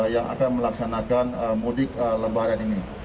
yang akan melaksanakan mudik lebaran ini